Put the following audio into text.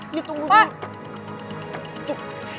iya tunggu dulu